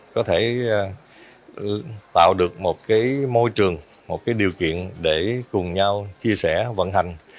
có thể tạo được một môi trường một điều kiện để cùng nhau chia sẻ vận hành